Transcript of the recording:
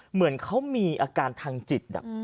เหมือนเขามีอาการทางจิต